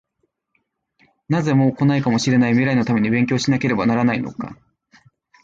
なぜ、もう来ないかもしれない未来のために勉強しなければならないのか？